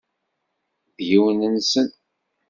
D yiwen-nsen.